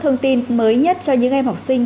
thông tin mới nhất cho những em học sinh